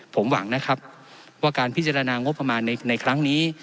ผมหวังนะครับว่าการพิจารณางบประมาณในครั้งนี้